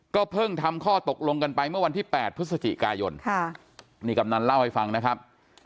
เพิ่งทำข้อตกลงกันไปเมื่อวันที่๘พฤศจิกายนนี่กำนันเล่าให้ฟังนะครับ